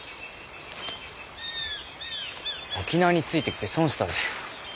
沖縄についてきて損したぜ。